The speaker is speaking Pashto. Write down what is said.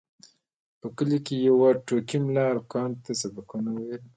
په کلي کې یو ټوکي ملا هلکانو ته سبقونه ویل.